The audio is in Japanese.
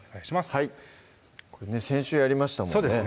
はいこれね先週やりましたもんね